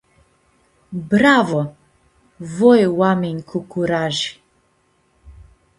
Bravo! Voi oaminj cu curaji.